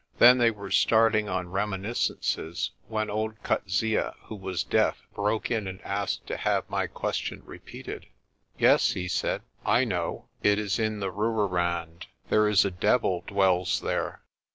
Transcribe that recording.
Then they were starting on reminiscences, when old Coetzee, who was deaf, broke in and asked to have my question repeated. "Yes," he said, "I know. It is in the Rooirand. There is a devil dwells there."